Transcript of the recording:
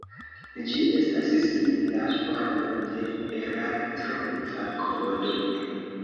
Ĝi estas simpla formo de erartrova kodo.